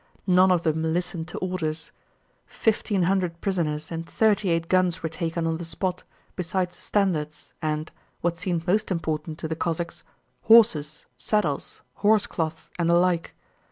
None of them listened to orders. Fifteen hundred prisoners and thirty eight guns were taken on the spot, besides standards and (what seemed most important to the Cossacks) horses, saddles, horsecloths, and the like.